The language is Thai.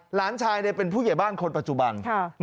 หลานชายเป็นผู้ใหญ่บ้านคนปัจจุบัน